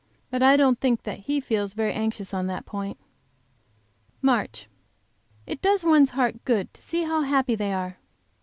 But I don't think that he feels very anxious on that point! MARCH. It does one's heart good to see how happy they are!